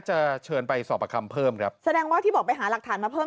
เชิญไปสอบประคำเพิ่มครับแสดงว่าที่บอกไปหาหลักฐานมาเพิ่ม